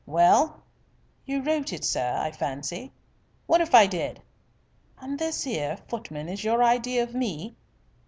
"Well?" "You wrote it, sir, I fancy." "What if I did." "And this 'ere footman is your idea of me."